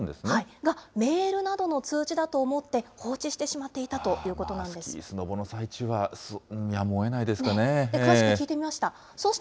が、メールなどの通知だと思って、放置してしまっていたといスキー、スノボの最中はやむ詳しく聞いてみました。